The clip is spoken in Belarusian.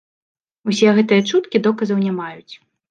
Усе гэтыя чуткі доказаў не маюць.